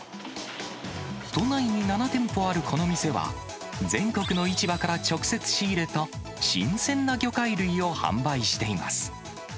都内に７店舗あるこの店は、全国の市場から直接仕入れた新鮮な魚介類を販売しています。